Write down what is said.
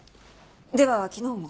では昨日も？